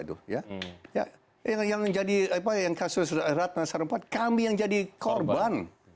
tuh ya yang menjadi apa yang kasus ratna serempat kami yang jadi korban